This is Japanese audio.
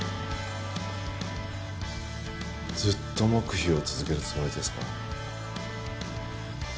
ずっと黙秘を続けるつもりですか？